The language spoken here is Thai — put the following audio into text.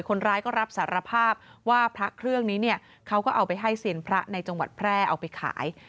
คนร้ายก็รับสารภาพว่าพระเครื่องนี้เนี่ยเขาก็เอาไปให้เซียนพระในจังหวัดแพร่เอาไปขาย